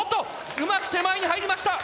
うまく手前に入りました。